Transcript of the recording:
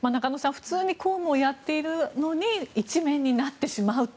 普通に公務をやっているのに１面になってしまうと。